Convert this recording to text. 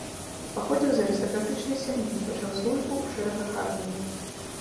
Паходзіў з арыстакратычнай сям'і, пачаў службу ў шэрагах арміі.